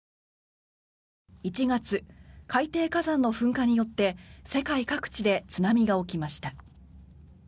１月、海底火山の噴火によって世界各地で津波が起きました。